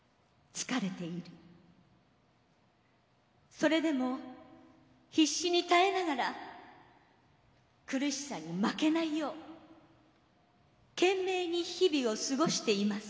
それでも必死に耐えながら苦しさに負けないよう懸命に日々を過ごしています。